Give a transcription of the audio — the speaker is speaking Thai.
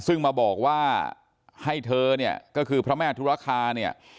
ซึ่งมาบอกว่าให้เธอเนี่ยก็คือพระแม่ธุรคาเนี่ย